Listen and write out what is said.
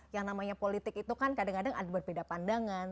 yang namanya politik itu kan kadang kadang ada berbeda pandangan